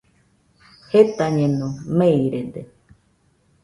Jetañeno, meirede.